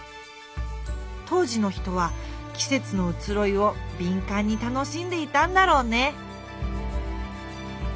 当時の人はきせつのうつろいをびんかんに楽しんでいたんだろうね。